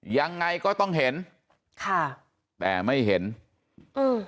ยังไงก็ต้องเห็นค่ะแต่ไม่เห็นอืม